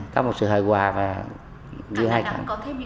có một sự hời hòa giữa hai cảng